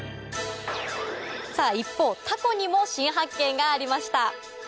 さぁ一方タコにも新発見がありました